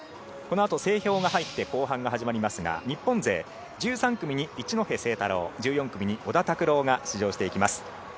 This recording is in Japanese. このあと整氷が入って後半が始まりますが日本勢、１３組に一戸誠太郎１４組に小田卓朗が出場していきます。